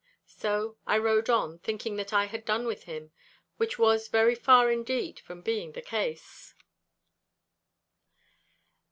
So I rode on, thinking that I had done with him—which was very far indeed from being the case.